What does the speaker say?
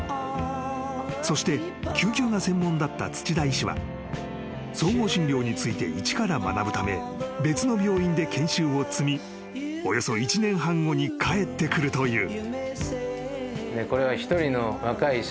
［そして救急が専門だった土田医師は総合診療について一から学ぶため別の病院で研修を積みおよそ１年半後に帰ってくるという］